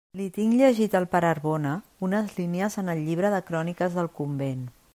Li tinc llegit al pare Arbona unes línies en el llibre de cròniques del convent.